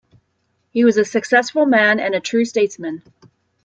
He was a successful man and a true statesman.